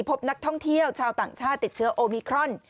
พบนักท่องเที่ยวชาวต่างชาติติดเชื้อโอมิครอน